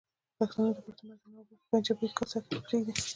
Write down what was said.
پښتانه د پښتون وطن اوبه په پنجابي کاسه کې نه پرېږدي.